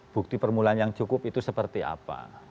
bukti permulaan yang cukup itu seperti apa